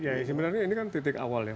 oke sebenarnya ini kan titik awal ya